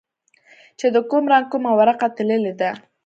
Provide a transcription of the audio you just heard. چې د کوم رنگ کومه ورقه تللې ده.